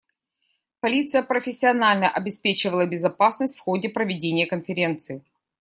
Полиция профессионально обеспечивала безопасность в ходе проведения конференции.